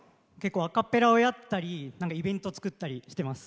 アカペラをやったりイベント作ったりしてます。